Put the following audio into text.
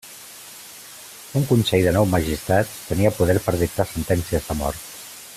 Un consell de nou magistrats tenia poder per dictar sentències de mort.